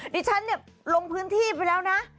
ดิฉันเนี่ยลงพื้นที่ไปแล้วนะ